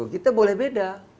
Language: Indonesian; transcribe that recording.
kita boleh beda